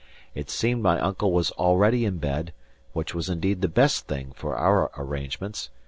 It seemed my uncle was already in bed, which was indeed the best thing for our arrangements.